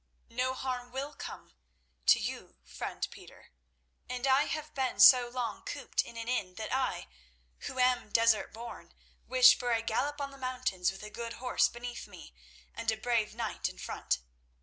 "No harm will come—to you, friend Peter; and I have been so long cooped in an inn that I, who am desert born, wish for a gallop on the mountains with a good horse beneath me and a brave knight in front.